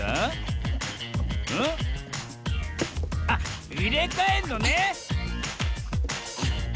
あっいれかえんのね！